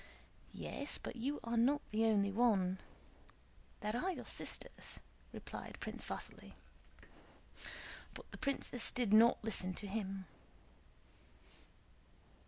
"Yes, but you are not the only one. There are your sisters..." replied Prince Vasíli. But the princess did not listen to him.